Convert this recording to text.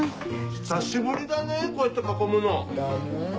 久しぶりだねこうやって囲むの。だね。